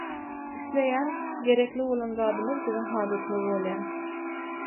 Isleýän, gerekli bolan zadymyz biziň hajatymyz bolýar.